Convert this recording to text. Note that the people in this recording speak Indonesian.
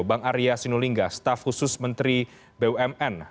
bang arya sinulinga staf khusus menteri bumn